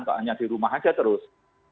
kok hanya di rumah aja terus